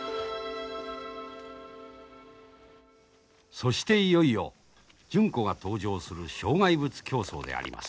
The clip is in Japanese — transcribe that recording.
そしていよいよ純子が登場する障害物競走であります。